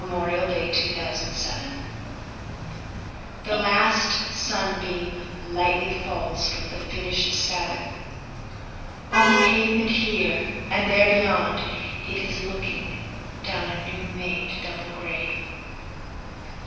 Dirge for Two Veterans The last sunbeam Lightly falls from the finishâd Sabbath, On the pavement here, and there beyond it is looking, Down a new made double grave.